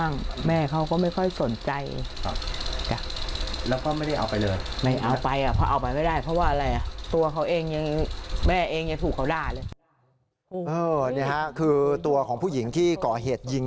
นี่ครับคือตัวของผู้หญิงที่เกาะเห็ดยิง